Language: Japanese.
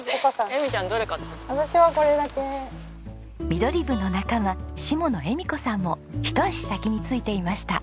ミドリブの仲間下野惠美子さんも一足先に着いていました。